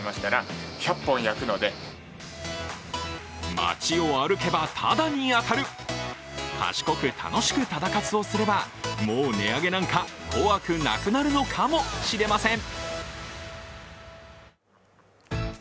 街を歩けばタダに当たる、賢く楽しくタダ活をすればもう値上げなんか怖くなくなるのかもしれません。